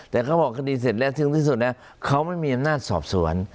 แต่เขาบอกคดีเสร็จแล้วถึงที่สุดนะเขาไม่มีอำนาจสอบสวน